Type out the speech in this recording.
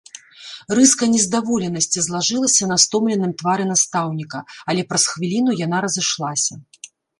Рыска нездаволенасці злажылася на стомленым твары настаўніка, але праз хвіліну яна разышлася.